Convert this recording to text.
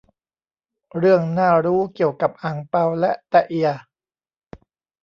เรื่องน่ารู้เกี่ยวกับ อั่งเปา และแต๊ะเอีย